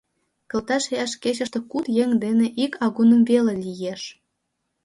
Кылта шияш кечыште куд еҥ дене ик агуным веле лиеш.